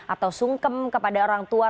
atau sungkem kepada orang tua